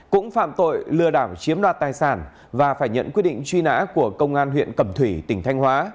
cũng phạm tội lừa đảo chiếm đoạt tài sản và phải nhận quyết định truy nã của công an huyện cẩm thủy tỉnh thanh hóa